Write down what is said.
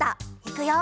いくよ。